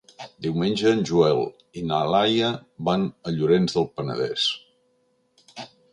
Diumenge en Joel i na Laia van a Llorenç del Penedès.